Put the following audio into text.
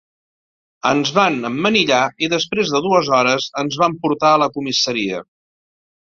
Ens van emmanillar i després de dues hores ens van portar a la comissaria.